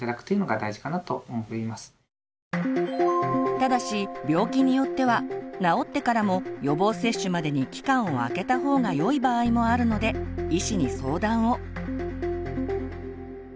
ただし病気によっては治ってからも予防接種までに期間をあけた方がよい場合もあるので医師に相談を。